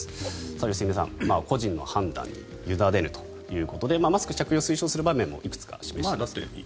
良純さん、個人の判断に委ねるということでマスク着用推奨する場面もいくつか示していますが。